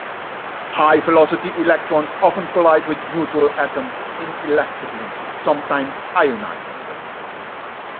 High-velocity electrons often collide with neutral atoms inelastically, sometimes ionizing them.